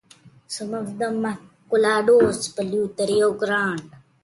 Some of the maquiladores pollute the Rio Grande.